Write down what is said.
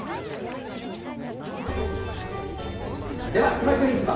「いま旬市場」